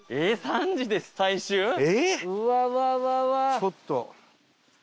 ちょっと。